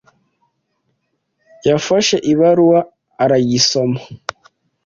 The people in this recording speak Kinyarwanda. yafashe ibaruwa aragisoma.